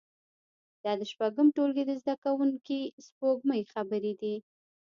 دا د شپږم ټولګي د زده کوونکې سپوږمۍ خبرې دي